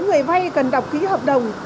người vay cần đọc ký hợp đồng